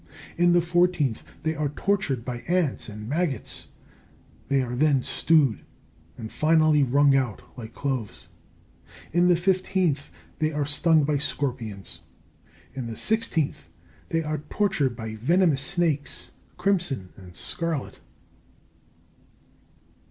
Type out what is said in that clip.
In the fourteenth, they are tortured by ants and maggots; they are then stewed, and finally wrung out (like clothes). In the fifteenth, they are stung by scorpions. In the sixteenth, they are tortured by venomous snakes, crimson and scarlet.